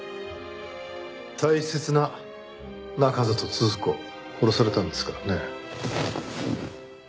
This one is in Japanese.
大切な中郷都々子を殺されたんですからね。